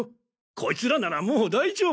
コイツらならもう大丈夫。